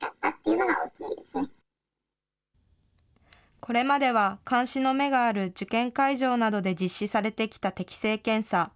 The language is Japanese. これまでは監視の目がある受検会場などで実施されてきた適性検査。